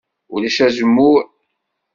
Ulac azemmur.